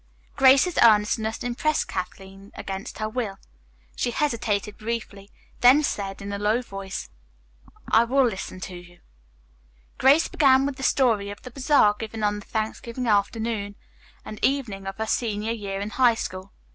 Grace's earnestness impressed Kathleen against her will. She hesitated briefly, then said in a low voice, "I will listen to you." Grace began with the story of the bazaar given on the Thanksgiving afternoon and evening of her senior year in high school.